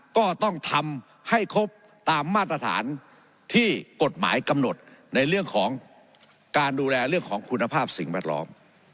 ก็ต้องทำให้ครบตามมาตรฐานที่กฎหมายกำหนดในเรื่องของการดูแลเรื่องของคุณภาพสิ่งแวดล้อม